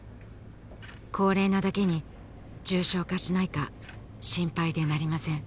高齢なだけに重症化しないか心配でなりません